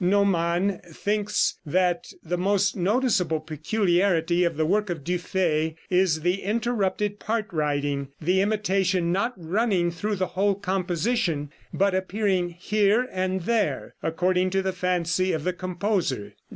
Naumann thinks that the most noticeable peculiarity of the work of Dufay is the interrupted part writing, the imitation not running through the whole composition, but appearing here and there, according to the fancy of the composer.